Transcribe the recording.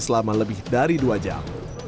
selama lebih dari dua jam